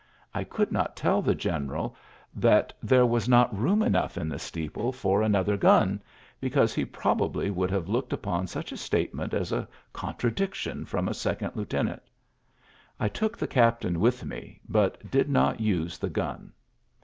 ... I oould not tell the general that there AXW& OA ^ V;V31lk 24 ULYSSES S. GEANT was not room enough in the steeple f another gun, because he probably won^ have looked upon such a statement as contradiction from a second lieutenaa.^^ I took the captain with me, but did nt:>^ use the gun."